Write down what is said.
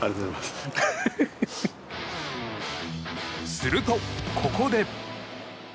すると、ここで。